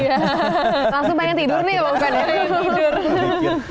langsung pengen tidur nih ya bukan ya